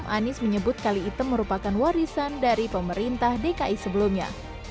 anies menyebut kali item merupakan warisan dari pemerintah dki sebelumnya